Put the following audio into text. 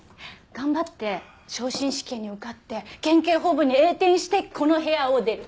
頑張って昇進試験に受かって県警本部に栄転してこの部屋を出る。